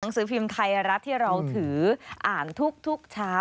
สือพิมพ์ไทยรัฐที่เราถืออ่านทุกเช้า